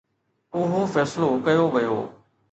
اهو فيصلو ڪيو ويو